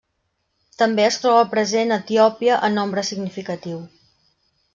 També es troba present a Etiòpia en nombre significatiu.